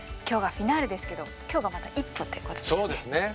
今日がフィナーレですけど今日がまた一歩っていうことですね。